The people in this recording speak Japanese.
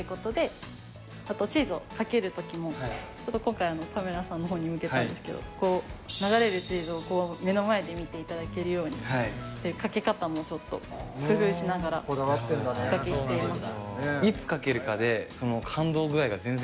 今回カメラさんのほうに向けたんですけど流れるチーズを目の前で見ていただけるようにというかけ方もちょっと工夫しながらおかけしています。